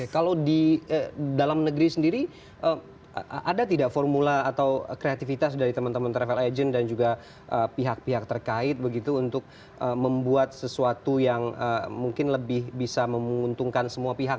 kalau di dalam negeri sendiri ada tidak formula atau kreativitas dari teman teman travel agent dan juga pihak pihak terkait begitu untuk membuat sesuatu yang mungkin lebih bisa menguntungkan semua pihak